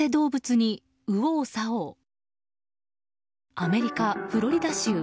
アメリカ・フロリダ州。